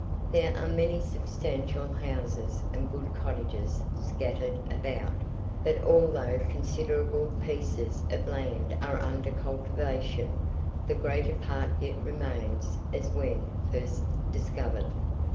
There are many substantial houses and good cottages scattered about; but although considerable pieces of land are under cultivation, the greater part yet remains as when first discovered.